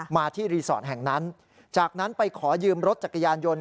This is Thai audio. มาที่รีสอร์ทแห่งนั้นจากนั้นไปขอยืมรถจักรยานยนต์